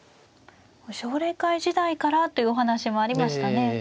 奨励会時代からというお話もありましたね。